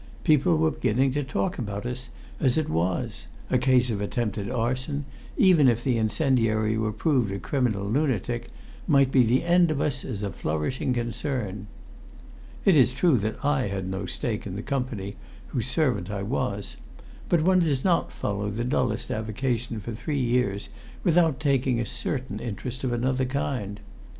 People were beginning to talk about us as it was; a case of attempted arson, even if the incendiary were proved a criminal lunatic, might be the end of us as a flourishing concern. It is true that I had no stake in the Company whose servant I was; but one does not follow the dullest avocation for three years without taking a certain interest of another kind.